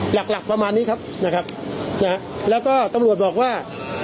หลักหลักประมาณนี้ครับนะครับนะฮะแล้วก็ตำรวจบอกว่า